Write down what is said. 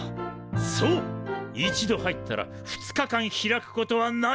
そう一度入ったら２日間開くことはない。